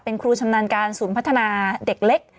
เป็นครูชำนาญการศูนย์พัฒนาเด็กเล็ก